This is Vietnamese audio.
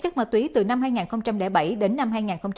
chất ma túy từ năm hai nghìn bảy đến năm hai nghìn một mươi ba